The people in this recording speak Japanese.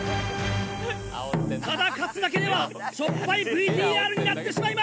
ただ勝つだけではしょっぱいＶＴＲになってしまいます！